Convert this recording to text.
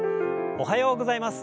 おはようございます。